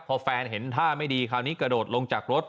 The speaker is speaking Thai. พอแฟนเห็นท่าไม่ดีคราวนี้กระโดดลงจากรถ